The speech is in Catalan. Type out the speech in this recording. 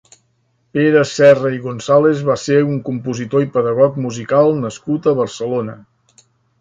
Pere Serra i Gonzàlez va ser un compositor i pedagog musical nascut a Barcelona.